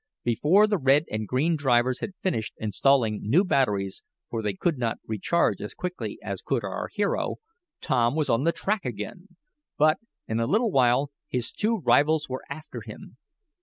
Before the red and green car drivers had finished installing new batteries, for they could not recharge as quickly as could our hero, Tom was on the track again. But, in a little while, his two rivals were after him.